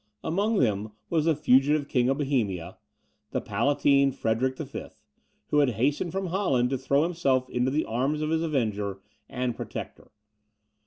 Among them was the fugitive King of Bohemia, the Palatine Frederick V., who had hastened from Holland to throw himself into the arms of his avenger and protector.